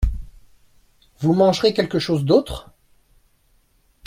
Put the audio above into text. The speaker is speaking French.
Vous mangerez quelque chose d’autre ?